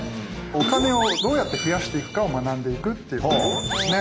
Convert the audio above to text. お金をどうやって増やしていくかを学んでいくっていうことですね。